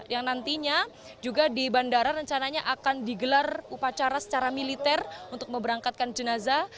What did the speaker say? yang nantinya juga di bandara rencananya akan digelar upacara secara militer untuk memberangkatkan jenazah